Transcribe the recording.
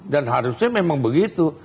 dan harusnya memang begitu